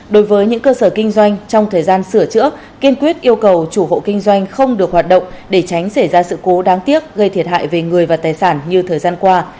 đối với những cơ sở kinh doanh trong thời gian sửa chữa kiên quyết yêu cầu chủ hộ kinh doanh không được hoạt động để tránh xảy ra sự cố đáng tiếc gây thiệt hại về người và tài sản như thời gian qua